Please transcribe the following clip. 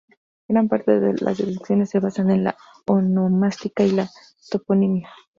Gran parte de las deducciones se basan en la onomástica y la toponimia.